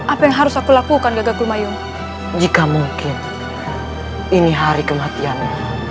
apa yang harus aku lakukan gagal mayom jika mungkin ini hari kematianmu